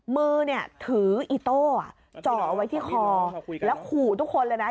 มือเนี่ยถืออีโต้จ่อไว้ที่คอแล้วขู่ทุกคนเลยนะ